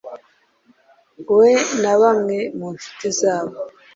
we na bamwe mu nshuti zabo